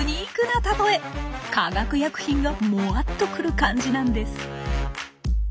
化学薬品がもわっとくる感じなんです。